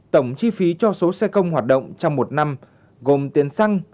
tổng chi phí cho số xe công hoạt động trong một năm gồm tiền xăng